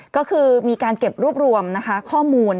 ก็คือมีการเก็บรวบรวมข้อมูล